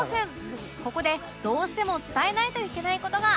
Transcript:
ここでどうしても伝えないといけない事が